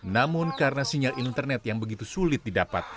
namun karena sinyal internet yang begitu sulit didapat